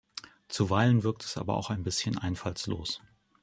Zuweilen wirkt es aber auch ein bisschen einfallslos.